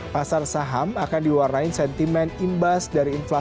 pasar saham akan diwarnain sentimen imbas dari informasi